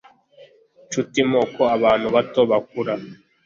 Nshuti moko abantu bato bakura